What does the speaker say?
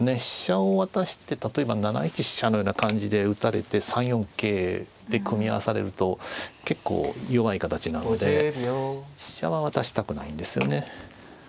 飛車を渡して例えば７一飛車のような感じで打たれて３四桂で組み合わされると結構弱い形なので飛車は渡したくないんですよね。